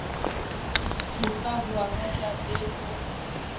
Bukavu na rwanda beko karibu karibu